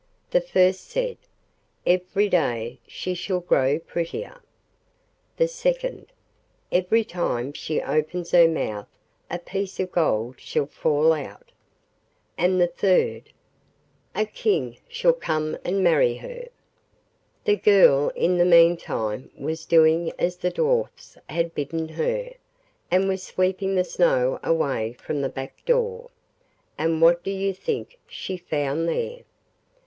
The first said: 'Every day she shall grow prettier.' The second: 'Every time she opens her mouth a piece of gold shall fall out.' And the third: 'A King shall come and marry her.' The girl in the meantime was doing as the Dwarfs had bidden her, and was sweeping the snow away from the back door, and what do you think she found there?